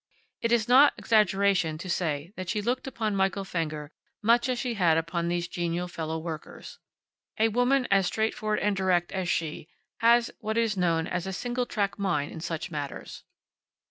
It is not exaggeration to say that she looked upon Michael Fenger much as she had upon these genial fellow workers. A woman as straightforward and direct as she has what is known as a single track mind in such matters.